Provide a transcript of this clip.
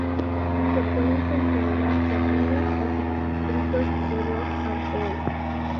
Se pueden considerar comunas o subdistritos de los "amphoe".